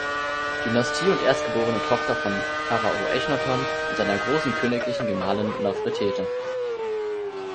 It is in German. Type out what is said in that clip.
Dynastie und erstgeborene Tochter von Pharao Echnaton und seiner Großen königlichen Gemahlin Nofretete.